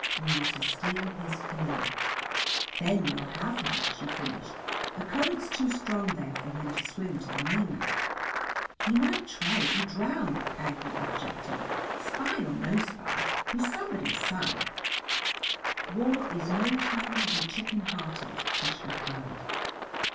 We were to steal his canoe. "Then we'll have him," she finished. "The current's too strong there for him to swim to the mainland." "He might try it and drown," Aggie objected. "Spy or no spy, he's somebody's son." "War is no time to be chicken hearted," Tish replied.